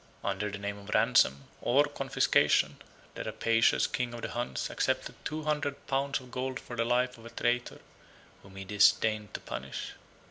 Under the name of ransom, or confiscation, the rapacious king of the Huns accepted two hundred pounds of gold for the life of a traitor, whom he disdained to punish.